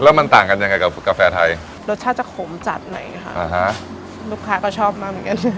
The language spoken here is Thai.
แล้วมันต่างกันยังไงกับกาแฟไทยรสชาติจะขมจัดหน่อยค่ะอ่าฮะลูกค้าก็ชอบมาเหมือนกัน